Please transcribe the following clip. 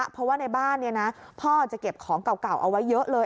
เพราะว่าในบ้านพ่อจะเก็บของเก่าเอาไว้เยอะเลย